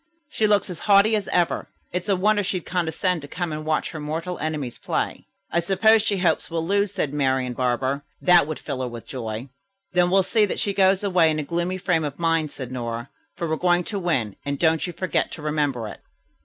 She looks as haughty as ever. It's a wonder she'd condescend to come and watch her mortal enemies play." "I suppose she hopes we'll lose," said Marian Barber. "That would fill her with joy." "Then we'll see that she goes away in a gloomy frame of mind," said Nora, "for we're going to win, and don't you forget to remember it."